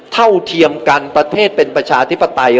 เท่าเทียมกันประเทศเป็นประชาธิปไตย